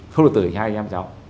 không được tử hình cho hai anh em cháu